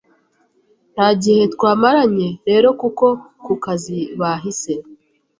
Nta gihe twamaranye rero kuko ku kazi bahise